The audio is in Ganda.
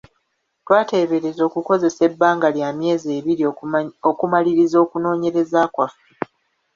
Twateebereza okukozesa ebbanga lya myezi ebiri okumaliriza okunoonyereza kwaffe.